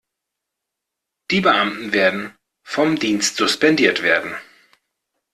Die Beamten werden vom Dienst suspendiert werden.